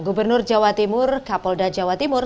gubernur jawa timur kapolda jawa timur